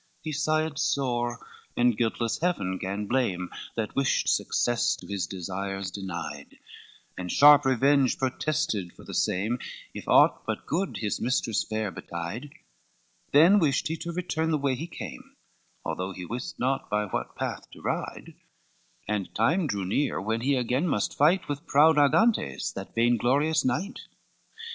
XXVI He sighed sore, and guiltless heaven gan blame, That wished success to his desire denied, And sharp revenge protested for the same, If aught but good his mistress fair betide; Then wished he to return the way he came, Although he wist not by what path to ride, And time drew near when he again must fight With proud Argantes, that vain glorious knight.